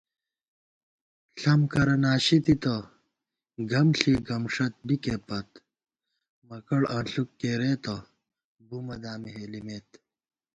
ݪَم کرہ ناشِی تِتہ، گم ݪی گمݭَت بِکےپت * مکَڑ انݪُک کېرېتہ، بُمہ دامی ہېلِمېت